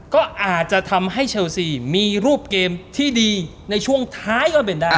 ก็อาจจะทำให้เชลซีมีรูปเกมที่ดีในช่วงท้ายก็เป็นได้